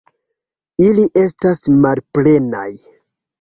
Ili estas malplenaj.